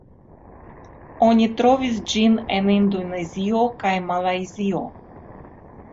Oni trovis ĝin en Indonezio kaj Malajzio.